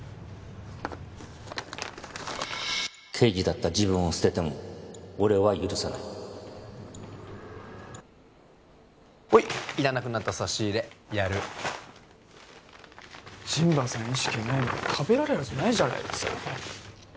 刑事だった自分を捨てても俺は許さないほい要らなくなった差し入れやる陣馬さん意識ないのに食べられるはずないじゃないですか